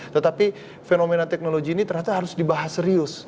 tetapi fenomena teknologi ini ternyata harus dibahas serius